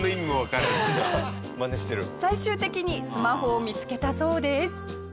最終的にスマホを見付けたそうです。